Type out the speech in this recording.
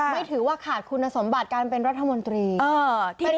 ไม่ถือว่าขาดคุณสมบัติการเป็นรัฐมนตรี